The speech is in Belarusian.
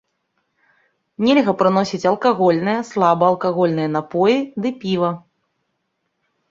Нельга прыносіць алкагольныя, слабаалкагольныя напоі ды піва.